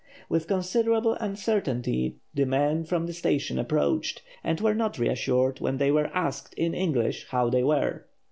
With considerable uncertainty the men from the station approached, and were not reassured when they were asked, in English, how they were.